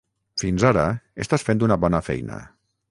Fins ara estàs fent una bona feina.